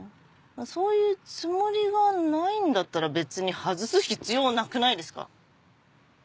そういうつもりがないんだったら別に外す必要なくないですか？